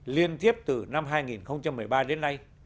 liên tiếp từ năm hai nghìn một mươi ba đến nay